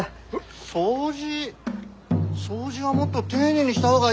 掃除掃除はもっと丁寧にした方がいいな！